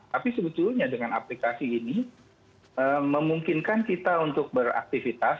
tapi sebetulnya dengan aplikasi ini memungkinkan kita untuk beraktivitas